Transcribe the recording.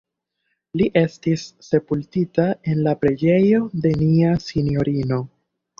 Li estis sepultita en la Preĝejo de Nia Sinjorino.